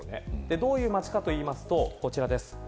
どういう町かというとこちらです。